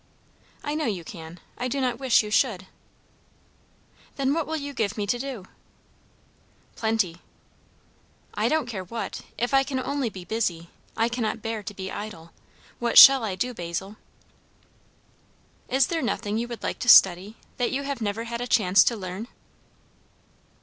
"I know you can. I do not wish you should." "Then what will you give me to do?" "Plenty." "I don't care what if I can only be busy. I cannot bear to be idle. What shall I do, Basil?" "Is there nothing you would like to study, that you have never had a chance to learn?"